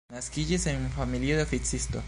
Naskiĝis en familio de oficisto.